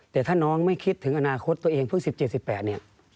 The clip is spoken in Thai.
แต่ถ้าน้องไม่คิดถึงอนาคตตัวเองเพิ่ง๑๗๑๘เนี่ย